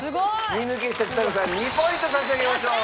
２抜けしたちさ子さん２ポイント差し上げましょう！